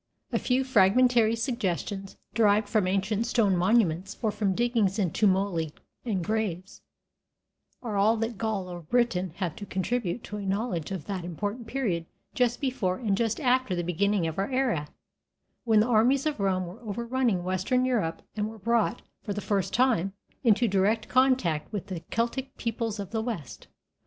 A few fragmentary suggestions, derived from ancient stone monuments or from diggings in tumuli and graves, are all that Gaul or Britain have to contribute to a knowledge of that important period just before and just after the beginning of our era, when the armies of Rome were overrunning western Europe and were brought, for the first time, into direct contact with the Celtic peoples of the West.